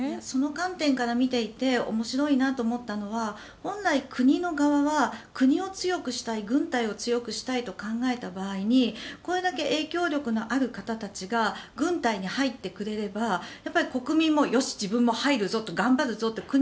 その観点から見ていて面白いなと思ったのが本来、国の側は国を強くしたい軍隊を強くしたいと考えた場合これだけ影響力のある方たちが軍隊に入ってくれれば国民もよし、自分も入るぞ頑張るぞって